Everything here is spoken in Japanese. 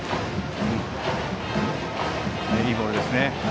いいボールでしたね。